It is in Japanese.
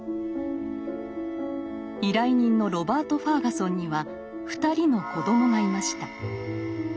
依頼人のロバート・ファーガソンには２人の子どもがいました。